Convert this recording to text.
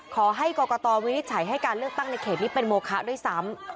ขอให้กรกตวินิจฉัยให้การเลือกตั้งในเขตนี้เป็นโมคะด้วยซ้ำ